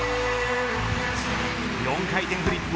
４回転フリップ。